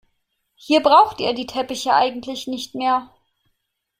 Hier brauchte er die Teppiche eigentlich nicht mehr.